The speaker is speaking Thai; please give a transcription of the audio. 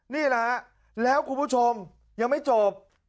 นี่แหละฮะแล้วคุณผู้ชมยังไม่จบ